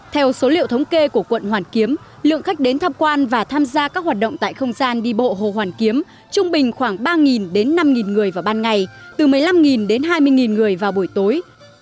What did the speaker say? theo số liệu thống kê của quận hoàn kiếm lượng khách đến tham quan và tham gia các hoạt động tại không gian đi bộ hồ hoàn kiếm trung bình khoảng ba đến năm người vào ban ngày từ một mươi năm đến hai mươi người vào buổi tối